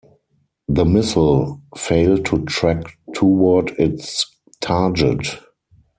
The missile failed to track toward its target.